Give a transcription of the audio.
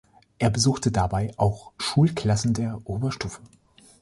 Er besuchte dabei auch Schulklassen der Oberstufe.